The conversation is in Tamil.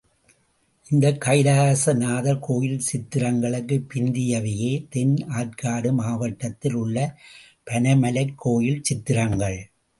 இந்தக் கைலாச நாதர் கோயில் சித்திரங்களுக்குப் பிந்தியவையே தென் ஆர்க்காடு மாவட்டத்தில் உள்ள பனைமலைக் கோயில் சித்திரங்கள்.